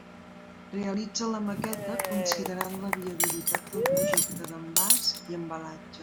Realitza la maqueta considerant la viabilitat del projecte d'envàs i embalatge.